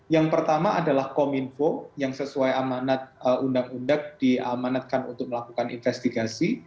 yang pertama adalah kominfo yang sesuai amanat undang undang diamanatkan untuk melakukan investigasi